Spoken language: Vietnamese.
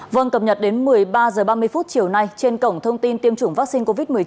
vâng cập nhật đến một mươi ba h ba mươi chiều nay trên cổng thông tin tiêm chủng vaccine covid một mươi chín